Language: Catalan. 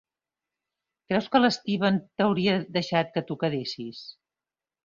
Creus que l'Steven t'hauria deixat que t'ho quedessis?